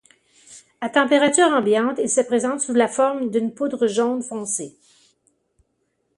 À température ambiante, il se présente sous la forme d'une poudre jaune foncé.